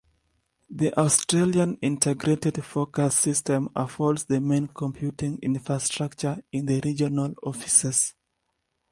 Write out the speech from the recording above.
The Australian Integrated Forecast System affords the main computing infrastructure in the Regional offices.